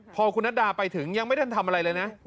พอคุณนัดดาไปถึงยังไม่ทันทำอะไรเลยนะ